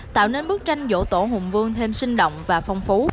tạo nên bức tranh dỗ tổ hùng vương thêm sinh động và phong phú